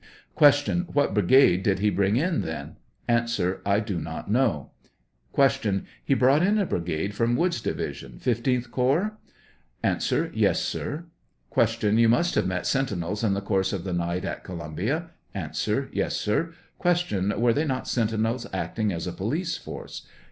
Q, What brigade did he bring in then ? A. I do not know. Q. He brought in a brigade from Woods' division, 15th corps? A. Yes, sir. 100 Q. Tou must have met sentinels in the course of the night at Columbia ? A. T6!8, sir. Q. Were they not sentinels acting as a police force